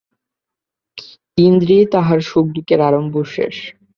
ইন্দ্রিয়েই তাহার সুখ-দুঃখের আরম্ভ ও শেষ।